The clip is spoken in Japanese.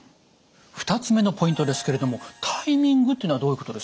２つ目のポイントですけれどもタイミングっていうのはどういうことですか。